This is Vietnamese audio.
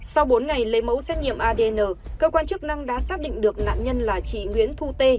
sau bốn ngày lấy mẫu xét nghiệm adn cơ quan chức năng đã xác định được nạn nhân là chị nguyễn thu tê